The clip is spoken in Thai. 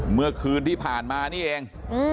เมื่อคืนที่ผ่านมานี่เอง